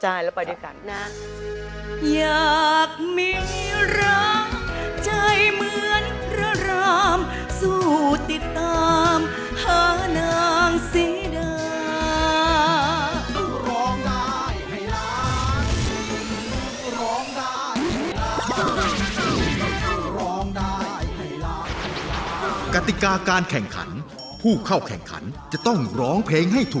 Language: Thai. ใช่แล้วก็ไปด้วยกันนะครับนะครับ